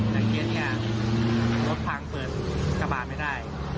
นักเรียนอย่างรถพังเปิดกระบาดไม่ได้